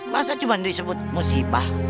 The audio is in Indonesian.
masa cuma disebut musibah